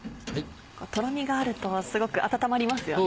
トロミがあるとすごく温まりますよね。